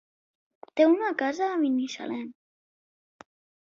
Té una casa a Binissalem.